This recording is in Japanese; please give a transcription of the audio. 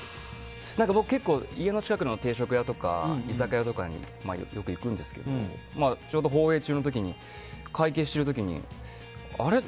僕、結構家の近くの定食屋とか居酒屋とかによく行くんですけどちょうど、放映中の時に会計している時に、あれ？